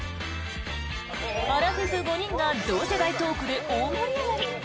アラフィフ５人が同世代トークで大盛り上がり。